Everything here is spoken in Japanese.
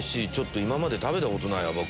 今まで食べたことないわ僕。